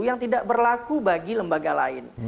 yang tidak berlaku bagi lembaga lain